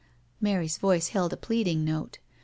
Mary's voice held a pleading note.